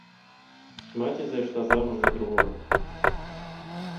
Маці зайшла замуж за другога.